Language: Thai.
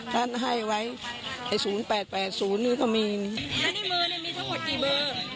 ท่านให้ไว้ไอ้ศูนย์แปดแปดศูนย์นี่ก็มีแล้วในมือเนี่ยมีทั้งหมดกี่เบอร์